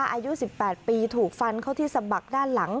อายุ๑๘ปีถูกฟันเข้าที่สะบักด้านหลัง